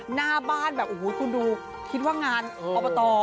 หน้าบ้านแบบโอ้โหคุณดูคิดว่างานอบต